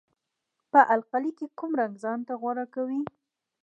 په القلي کې کوم رنګ ځانته غوره کوي؟